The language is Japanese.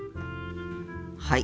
はい。